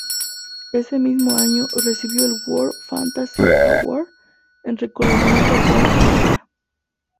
Ese mismo año recibió el World Fantasy Award en reconocimiento a toda su carrera.